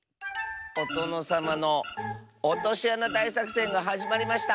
「おとのさまのおとしあなだいさくせんがはじまりました。